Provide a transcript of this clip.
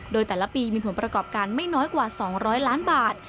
โดยแต่ละปีมีผลประกอบการไม่น้อยกว่า๒๐๐ล้านบาท